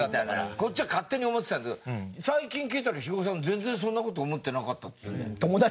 こっちは勝手に思ってたんだけど最近聞いたら肥後さんが「全然そんな事思ってなかった」っつってたよ。